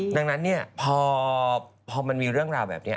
ดังนั้นพอมันมีเรื่องราวแบบนี้